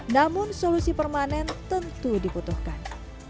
namun solusi permanen tentu dibutuhkan